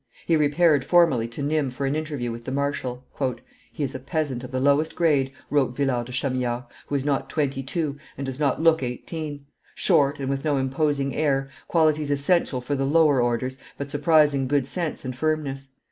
He repaired formally to Nimes for an interview with the marshal. "He is a peasant of the lowest grade," wrote Villars to Chamillard, "who is not twenty two, and does not look eighteen; short, and with no imposing air, qualities essential for the lower orders, but surprising good sense and firmness.